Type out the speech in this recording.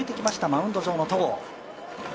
マウンド上の戸郷。